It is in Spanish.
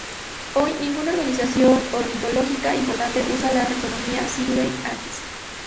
Hoy, ninguna organización ornitológica importante usa ya la taxonomía Sibley-Ahlquist.